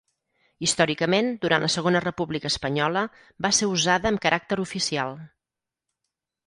Històricament, durant la Segona República Espanyola va ser usada amb caràcter oficial.